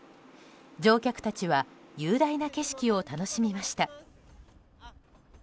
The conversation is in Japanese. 乗客たちは雄大な景色を楽しみました。